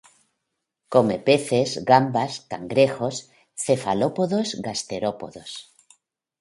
Come peces, gambas, cangrejos, cefalópodos gasterópodos.